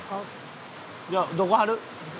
じゃあどこ貼る？